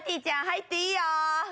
ちゃん入っていいよ。